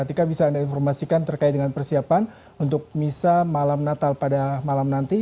tika bisa anda informasikan terkait dengan persiapan untuk misa malam natal pada malam nanti